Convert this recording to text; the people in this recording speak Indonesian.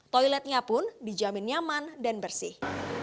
toiletnya pun dijamin nyaman dan bersih